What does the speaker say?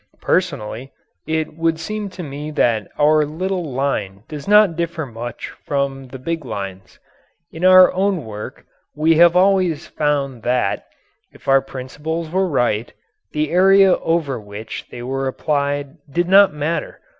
Personally, it would seem to me that our little line does not differ much from the big lines. In our own work we have always found that, if our principles were right, the area over which they were applied did not matter.